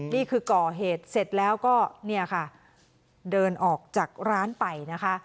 นี่คือก่อเหตุเสร็จแล้วก็เนี่ยค่ะเดินออกจากร้านไปนะคะ